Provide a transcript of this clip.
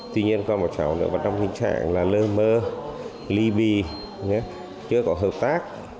tuy nhiên còn một cháu nữa vẫn trong tình trạng là lơ mơ ly bì chưa có hợp tác